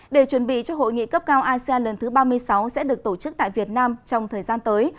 để chuẩn bị cho hội nghị cấp cao asean lần thứ ba mươi sáu sẽ được tổ chức tại việt nam trong thời gian tới